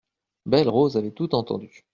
Belle-Rose avait tout entendu.